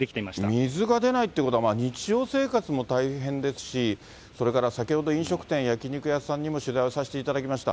水が出ないってことは、日常生活も大変ですし、それから先ほど飲食店、焼き肉屋さんにも取材をさせていただきました。